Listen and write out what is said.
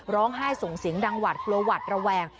ร้องไห้ส่งเสียงดังหวัดกลัวหวัดระแวง